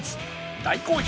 大好評！